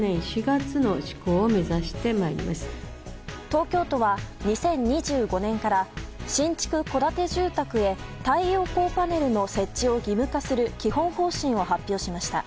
東京都は２０２５年から新築戸建て住宅へ太陽光パネルの設置を義務化する基本方針を発表しました。